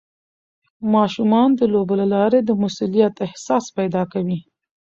ماشومان د لوبو له لارې د مسؤلیت احساس پیدا کوي.